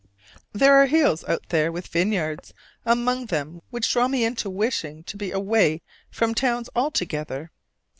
There are hills out there with vineyards among them which draw me into wishing to be away from towns altogether.